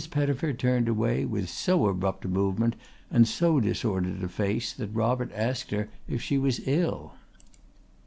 Pettifer turned away with so abrupt a movement and so disordered a face that Robert asked her if she was ill.